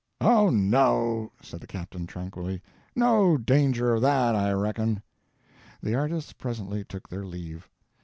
"Oh, no," said the captain, tranquilly, "no danger of that, I reckon." The artists presently took their leave.